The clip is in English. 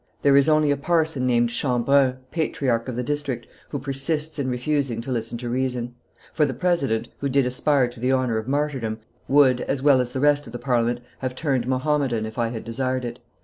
There is only a parson named Chambrun, patriarch of the district, who persists in refusing to listen to reason; for the president, who did aspire to the honor of martyrdom, would, as well as the rest of the Parliament, have turned Mohammedan, if I had desired it.